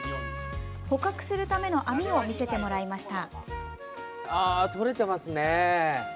捕獲するための網を見せてもらいました。